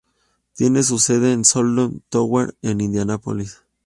Tiene su sede en el South Tower en Indianápolis.